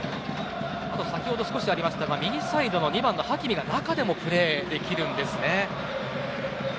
先ほど少しありましたが右サイドのハキミが中でもプレーできるんですね。